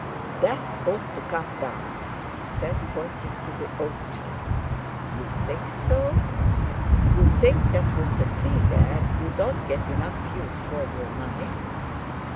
"That ought to come down," he said, pointing to the oak tree. "You think so? You think that with the tree there you don't get enough view for your money."